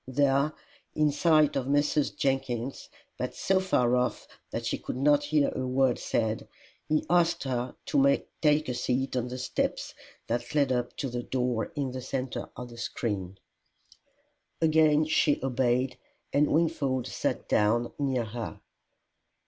There, in sight of Mrs. Jenkins, but so far off that she could not hear a word said, he asked her to take a seat on the steps that led up to the door in the centre of the screen. Again she obeyed, and Wingfold sat down near her.